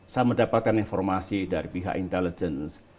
saya mendapatkan informasi dari pihak intelligence